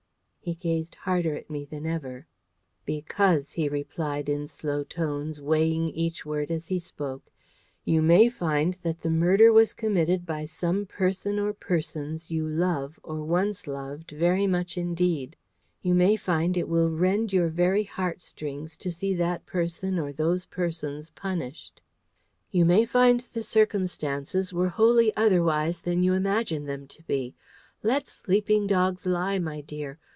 He gazed harder at me than ever. "Because," he replied in slow tones, weighing each word as he spoke, "you may find that the murder was committed by some person or persons you love or once loved very much indeed. You may find it will rend your very heart strings to see that person or those persons punished. You may find the circumstances were wholly otherwise than you imagine them to be.... Let sleeping dogs lie, my dear.